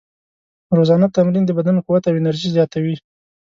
روزانه تمرین د بدن قوت او انرژي زیاتوي.